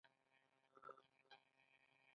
آزاد تجارت مهم دی ځکه چې ژوند ښکلی کوي.